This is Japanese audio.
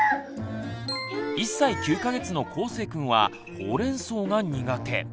１歳９か月のこうせいくんはほうれんそうが苦手。